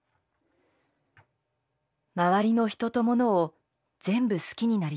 「周りの人と物を全部好きになりたい。